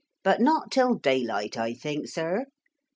But not till daylight, I think, sir.